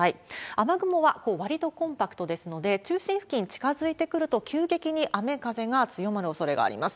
雨雲はわりとコンパクトですので、中心付近、近づいてくると、急激に雨、風が強まるおそれがあります。